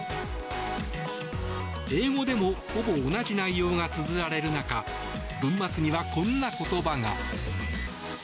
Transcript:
英語でもほぼ同じ内容がつづられる中文末にはこんな言葉が。